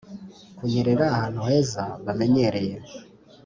kunyerera ahantu heza, bamenyereye,